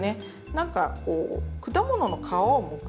なんかこう果物の皮をむく。